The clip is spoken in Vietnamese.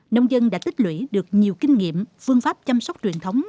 nông dân đã tích lũy được nhiều kinh nghiệm phương pháp chăm sóc truyền thống